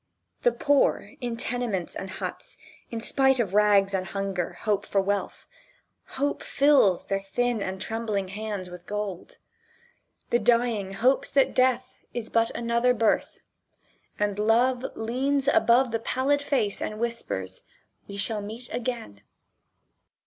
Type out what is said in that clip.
The poor in tenements and huts, in spite of rags and hunger hope for wealth. Hope fills their thin and trembling hands with gold. The dying hopes that death is but another birth, and Love leans above the pallid face and whispers, "We shall meet again."